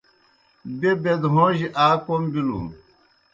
بیْہ بَیْدہَوں جیْ آ کوْم بِلُن۔